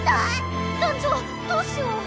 団長どうしよう？